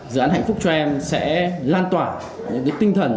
dự án hạnh phúc cho em sẽ lan tỏa những tinh thần